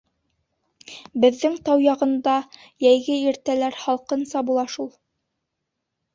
Беҙҙең тау яғында йәйге иртәләр һалҡынса була шул.